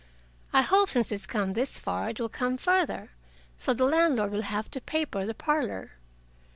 I hope, since it's come this far, it will come farther, so the landlord will have to paper the parlor."